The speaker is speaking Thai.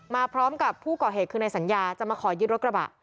มาพร้อมกับผู้ก่อเหตุคือในสัญญาจะมาขอยึดรถกระบะ